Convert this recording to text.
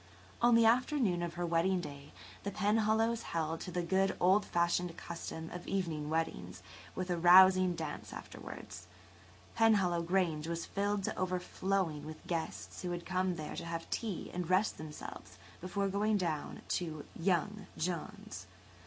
On the afternoon of her wedding day–the Penhallows held to the good, old fashioned custom of evening weddings with a rousing dance afterwards–Penhallow Grange was filled to overflowing with guests who had come there to have tea and rest themselves before going down to "young" John's.